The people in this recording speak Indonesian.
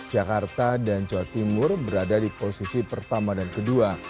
jakarta dan jawa timur berada di posisi pertama dan kedua